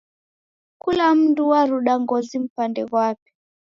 Kula mndu waruda ngozi mpande ghwape.